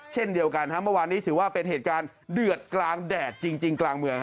เช่นเดียวกันเมื่อวานนี้ถือว่าเป็นเหตุการณ์เดือดกลางแดดจริงกลางเมือง